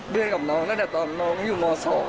เดือนกับน้องตั้งแต่ตอนน้องอยู่ม๒